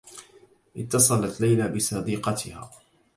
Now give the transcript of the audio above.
اتّصلت ليلى بصديقتها.